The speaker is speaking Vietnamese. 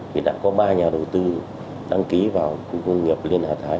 thì đã có ba nhà đầu tư đăng ký vào khu công nghiệp liên hà thái